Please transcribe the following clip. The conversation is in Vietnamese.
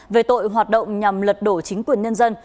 về tội hoạt động nhằm lật đổ chính quyền nhân dân